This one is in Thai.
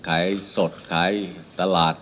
ขายสดขายตลาด